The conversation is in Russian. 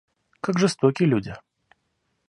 Как жестоки люди.